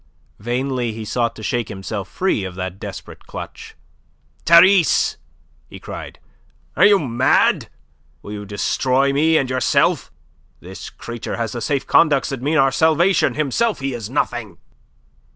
Vainly he sought to shake himself free of that desperate clutch. "Therese!" he cried. "Are you mad? Will you destroy me and yourself? This creature has the safe conducts that mean our salvation. Himself, he is nothing."